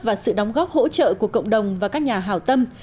và sự đóng góp hỗ trợ của cộng đồng và các nhà hào tâm